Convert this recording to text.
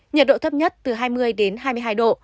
nhiệt độ thấp nhất từ hai mươi đến hai mươi hai độ